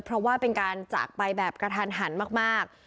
เพราะว่าเป็นการจากไปแบบกระทันหันมาก